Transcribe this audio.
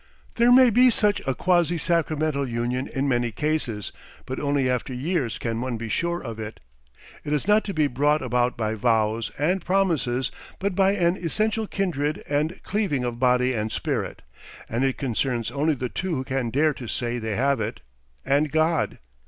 There may be such a quasi sacramental union in many cases, but only after years can one be sure of it; it is not to be brought about by vows and promises but by an essential kindred and cleaving of body and spirit; and it concerns only the two who can dare to say they have it, and God.